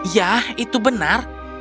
ya itu benar